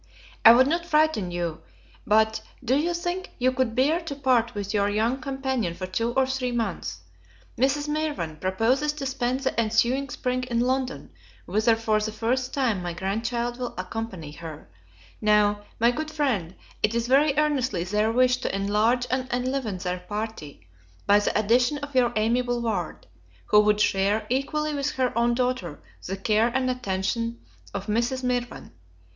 I would not frighten you; but do you think you could bear to part with your young companion for two or three months? Mrs. Mirvan proposes to spend the ensuing spring in London, whither for the first time, my grandchild will accompany her: Now, my good friend, it is very earnestly their wish to enlarge and enliven their party by the addition of your amiable ward, who would share, equally with her own daughter, the care and attention of Mrs. Mirvan.